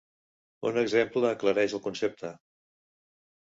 Un exemple aclareix el concepte.